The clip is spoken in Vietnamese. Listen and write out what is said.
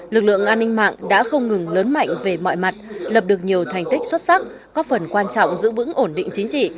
lực lượng an ninh mạng đã không ngừng lớn mạnh về mọi mặt lập được nhiều thành tích xuất sắc góp phần quan trọng giữ vững ổn định chính trị